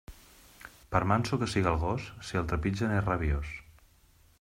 Per manso que siga el gos, si el trepitgen, és rabiós.